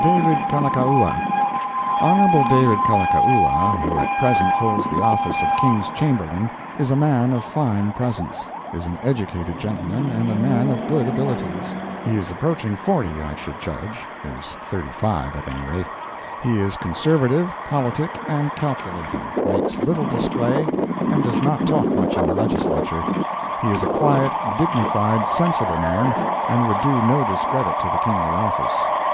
DAVID KALAKA Hon. David Kalakaua, who at present holds the office of King's Chamberlain, is a man of fine presence, is an educated gentleman and a man of good abilities. He is approaching forty, I should judge—is thirty five, at any rate. He is conservative, politic and calculating, makes little display, and does not talk much in the Legislature. He is a quiet, dignified, sensible man, and would do no discredit to the kingly office.